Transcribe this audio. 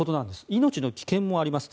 命の危険もあります。